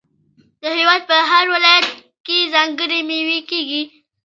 د هیواد په هر ولایت کې ځانګړې میوې کیږي.